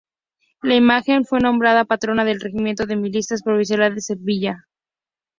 La imagen fue nombrada patrona del regimiento de milicias provinciales de Sevilla.